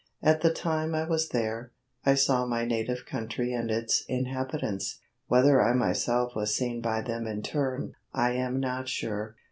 At the time I was there, I saw my native country and its inhabitants. Whether I myself was seen by them in turn, I am not sure.